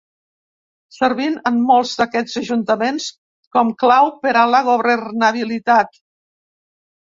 Servint en molts d'aquests ajuntaments com clau per a la governabilitat.